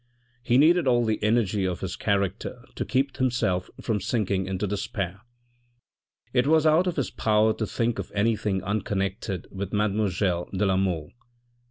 He needed all the energy of his character to keep himself from sinking into despair. It was out of his power to think of any thing unconnected with mademoiselle de la Mole.